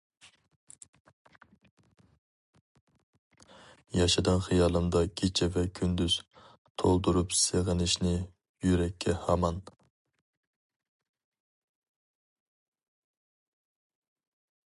ياشىدىڭ خىيالىمدا كېچە ۋە كۈندۈز، تولدۇرۇپ سېغىنىشنى يۈرەككە ھامان!